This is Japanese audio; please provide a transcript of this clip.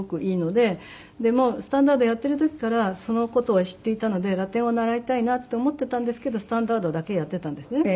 でもうスタンダードをやっている時からその事は知っていたのでラテンを習いたいなって思っていたんですけどスタンダードだけやっていたんですね。